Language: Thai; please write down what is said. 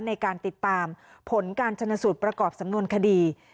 ในการติดตามผลการชนสูตรประกอบสำนวนคดี